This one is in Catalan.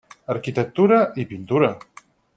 Arquitectura i Pintura.